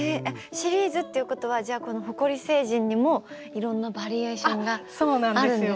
シリーズっていうことはじゃあこの埃星人にもいろんなバリエーションがあるんですか？